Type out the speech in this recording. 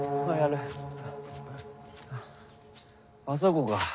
あそこか？